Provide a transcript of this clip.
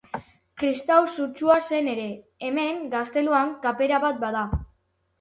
Kristau sutsua zen ere, hemen gazteluan kapera bat bada.